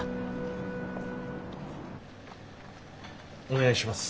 お願いします。